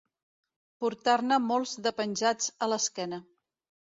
Portar-ne molts de penjats a l'esquena.